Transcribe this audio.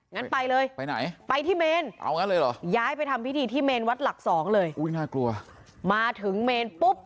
งั้นไปเลยไปที่เมนย้ายไปทำพิธีที่เมนวัดหลัก๒เลยมาถึงเมนปุ๊บ